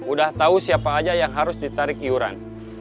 udah tahu siapa aja yang harus ditarik iuran